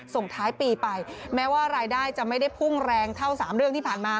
ส่งท้ายปีไปแม้ว่ารายได้จะไม่ได้พุ่งแรงเท่า๓เรื่องที่ผ่านมา